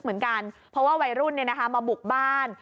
เหมือนกันเพราะว่าวัยรุ่นมาบุกบ้าน